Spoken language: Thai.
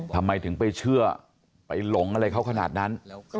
ทำไมถึงไปเชื่อไปหลงอะไรเขาขนาดนั้น